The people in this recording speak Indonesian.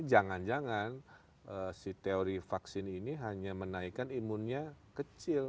jangan jangan si teori vaksin ini hanya menaikkan imunnya kecil